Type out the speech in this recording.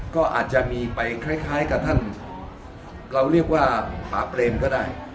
ก็อาจจะมีไปคล้ายกับท่านเราเรียกว่าป่าเปรมก็ได้